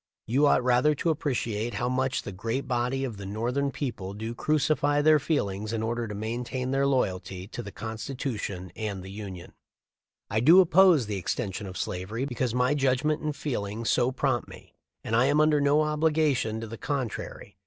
You ought rather to appreciate how much the great body of the Northern people do crucify their feelings in order to maintain their loyalty to the Constitution and the Union. I do oppose the extension of slavery because my judgment and feel * Letter to Joshua F. Speed, August 24, 1855, MS. 382 THE LIFE OF LINCOLN. ing so prompt me ; and I am under no obligations to the contrary.